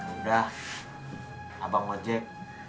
udah abang nge ojek